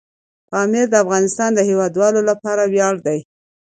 پامیر د افغانستان د هیوادوالو لپاره ویاړ دی.